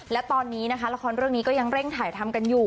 และตอนนี้นะคะละครเรื่องนี้ก็ยังเร่งถ่ายทำกันอยู่